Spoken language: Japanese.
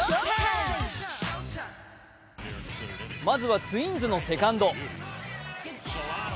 まずはツインズのセカンド。